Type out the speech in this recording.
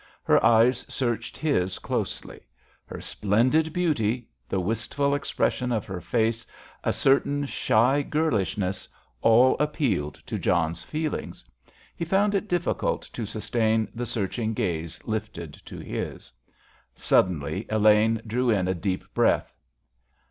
Her eyes searched his closely. Her splendid beauty, the wistful expression of her face, a certain shy girlishness, all appealed to John's feelings. He found it difficult to sustain the searching gaze lifted to his. Suddenly Elaine drew in a deep breath.